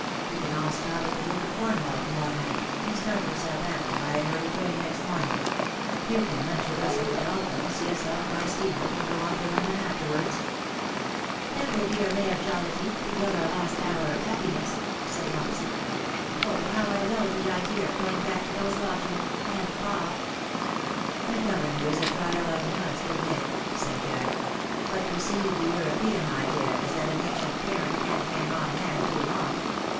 We can all stop at the ^ Duke of Cornwall' to morrow night, and start for Southampton by an early train next morning. You can lunch with us at the ^ Dolphin,' see us off by steamer, and go on to London afterwards." " That will be a ray of jollity to gild the last X 2 308 WE HAVE DONE TVITH hour of our happiness/^ said Mopsy. " Oh, how I loathe the idea of going back to those lodgings — and pa V^ "The governor is a trial, I must admit," said Jack. " But you see the European idea is that an ancient parent canH hang on hand too long.